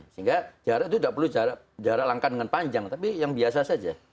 sehingga jarak itu tidak perlu jarak langkah dengan panjang tapi yang biasa saja